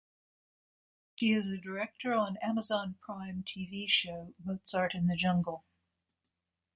She is a director on Amazon Prime Tv Show "Mozart in the Jungle".